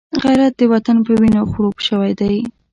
غیرت د وطن په وینو خړوب شوی دی